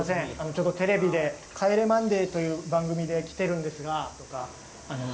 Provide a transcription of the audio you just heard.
ちょっとテレビで『帰れマンデー』という番組で来てるんですが。